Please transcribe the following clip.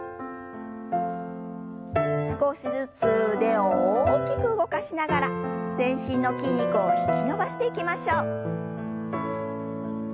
少しずつ腕を大きく動かしながら全身の筋肉を引き伸ばしていきましょう。